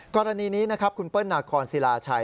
กรณีนี้นะครับคุณเปิ้ลนาคอนศิลาชัย